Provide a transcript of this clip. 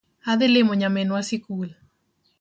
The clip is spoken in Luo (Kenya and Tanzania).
Adhi limo nyaminwa sikul